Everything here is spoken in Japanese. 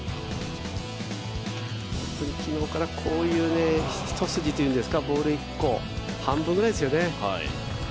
本当に昨日からこういう一筋というんですか、ボール１個、半分ぐらいですよね。